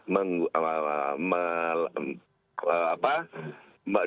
dari sisi administrasi akan lebih mudah